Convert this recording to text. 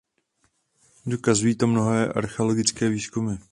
Dokazují to mnohé archeologické výzkumy.